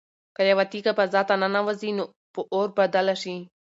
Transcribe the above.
که یوه تیږه فضا ته ننوځي نو په اور بدله شي.